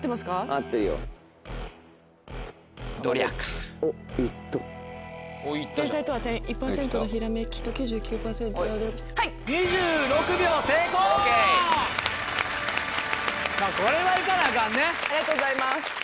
ありがとうございます。